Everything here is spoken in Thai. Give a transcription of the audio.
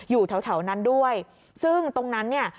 อยู่แถวแถวนั้นด้วยซึ่งตรงนั้นเนี่ย